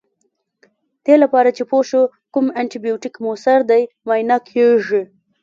دې لپاره چې پوه شو کوم انټي بیوټیک موثر دی معاینه کیږي.